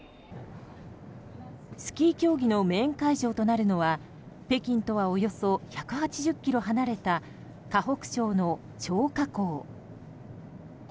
スキー競技のメーン会場となるのは北京とはおよそ１８０ｋｍ離れた河北省の張家口。